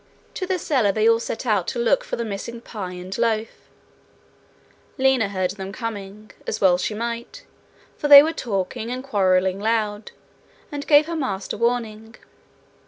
To the cellar they all set out to look for the missing pie and loaf. Lina heard them coming, as well she might, for they were talking and quarrelling loud, and gave her master warning.